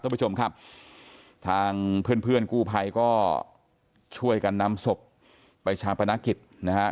ท่านผู้ชมครับทางเพื่อนกู้ไพรก็ช่วยกันนำศพไปชาปนักกิจนะครับ